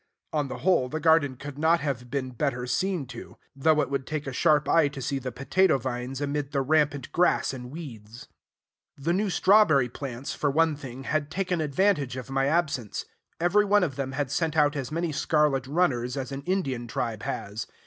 On the whole, the garden could not have been better seen to; though it would take a sharp eye to see the potato vines amid the rampant grass and weeds. The new strawberry plants, for one thing, had taken advantage of my absence. Every one of them had sent out as many scarlet runners as an Indian tribe has.